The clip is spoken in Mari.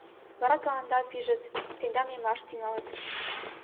Вара тыланда пижыт, тендам эмлаш тӱҥалыт.